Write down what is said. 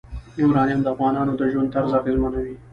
یورانیم د افغانانو د ژوند طرز اغېزمنوي.